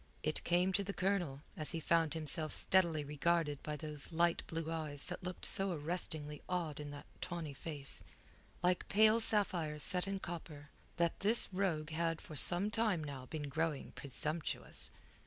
It came to the Colonel, as he found himself steadily regarded by those light blue eyes that looked so arrestingly odd in that tawny face like pale sapphires set in copper that this rogue had for some time now been growing presumptuous.